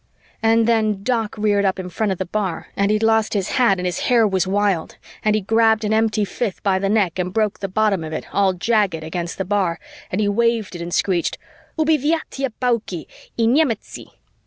And then Doc reared up in front of the bar and he'd lost his hat and his hair was wild and he grabbed an empty fifth by the neck and broke the bottom of it all jagged against the bar and he waved it and screeched, "_Ubivaytye Pauki i Nyemetzi!